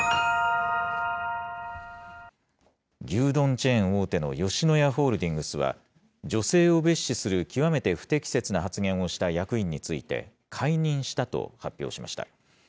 牛丼チェーン大手の吉野家ホールディングスは女性を蔑視する極めて不適切な発言をした役員について、解任したと発表しました。